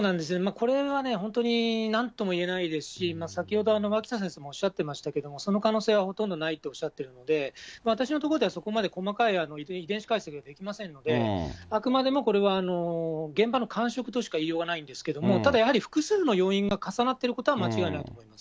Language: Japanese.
これはね、本当になんともいえないですし、先ほど脇田先生もおっしゃってましたけども、その可能性はほとんどないとおっしゃってるので、私の所ではそこまで細かい遺伝子解析ができませんので、あくまでもこれは現場の感触としか言いようがないんですけれども、ただやはり複数の要因が重なってることは間違いないと思います。